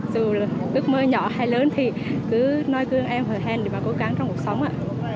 dù là ước mơ nhỏ hay lớn thì cứ nói cương em hồ hèn để mà cố gắng trong cuộc sống ạ